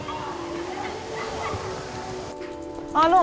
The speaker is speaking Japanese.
あの！